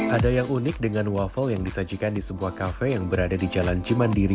ada yang unik dengan waffle yang disajikan di sebuah kafe yang berada di jalan cimandiri